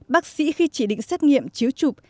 bác sĩ khi chỉ định xét nghiệm chiếu trục